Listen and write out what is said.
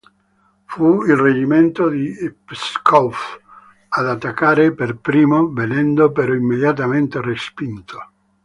Fu il reggimento di Pskov ad attaccare per primo, venendo però immediatamente respinto.